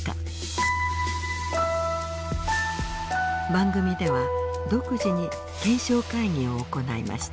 番組では独自に検証会議を行いました。